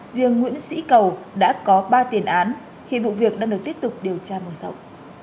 riêng nguyễn sĩ cầu đã có ba tiền án hiện vụ việc đang được tiếp tục điều tra mở rộng